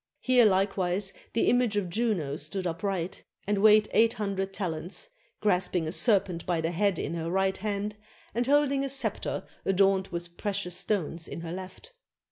Here likewise the image of Juno stood upright, and weighed eight hun dred talents, grasping a serpent by the head in her right hand and holding a scepter adorned with precious stones in her left.